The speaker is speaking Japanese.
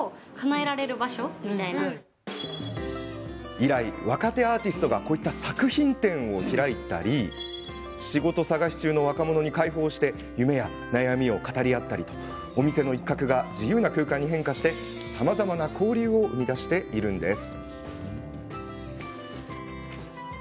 以来、若手アーティストが作品展を角打ちで開いたり仕事探し中の若者に開放して夢や悩みを語り合ったり店の一角が自由な空間に変化しさまざまな交流を生み出しています。